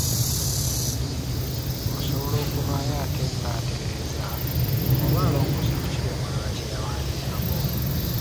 Ggwe osobola okuvaayo ate ng’atereeza oba alongoosa ku kiri omulala kye yawandiikako.